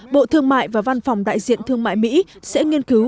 bộ thương mại và văn phòng đại diện thương mại mỹ sẽ nghiên cứu